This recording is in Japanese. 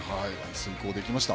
遂行できました。